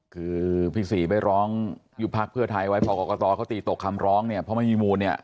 คือพี่ศรีไปร้องยุบพักเพื่อไทยไว้พอกรกตเขาตีตกคำร้องเนี่ยเพราะไม่มีมูลเนี่ย